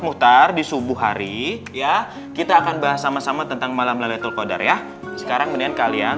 muhtar di subuh hari ya kita akan bahas sama sama tentang malam laylatul qadar ya sekarang mendingan kalian